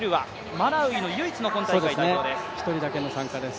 マラウイの唯一の今大会の参加です。